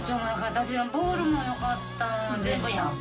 私ボールもよかった。